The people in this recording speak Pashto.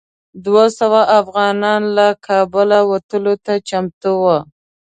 دوه سوه افغانان له کابله وتلو ته چمتو وو.